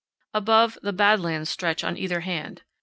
Above, the bad lands stretch on either hand.